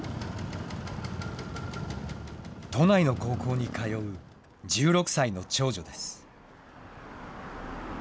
都内の高校に通う１６歳の長女です。